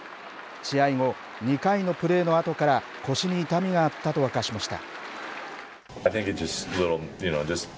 試合後、２回のプレーのあとから腰に痛みがあったと明かしました。